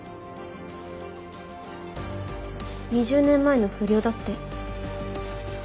２０年前の不良だって。